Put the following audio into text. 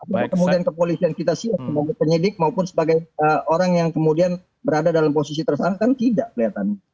kalau kemudian ke polisi yang kita siap ke penyidik maupun sebagai orang yang kemudian berada dalam posisi tersangkaan tidak kelihatan